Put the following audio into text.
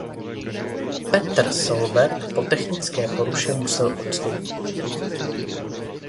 Petter Solberg po technické poruše musel odstoupit.